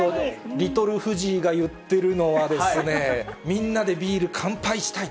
リトル藤井が言ってるのはですね、みんなでビール乾杯したい。